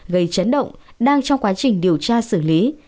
gây chấn động đang trong quá trình điều tra xử lý